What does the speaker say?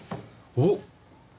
おっ！